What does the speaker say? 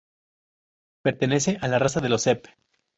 Pertenece a la raza de los Sepp.